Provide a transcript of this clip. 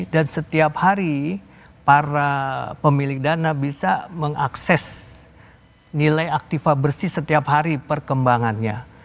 dan setiap hari para pemilik dana bisa mengakses nilai aktifa bersih setiap hari perkembangannya